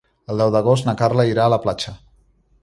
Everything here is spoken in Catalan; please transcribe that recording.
El deu d'agost na Carla irà a la platja.